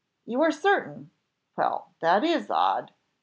"You are certain? Well, that is odd!